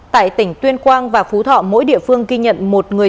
tại tỉnh tuyên quang và phú thọ mỗi địa phương ghi nhận một người thiệt hại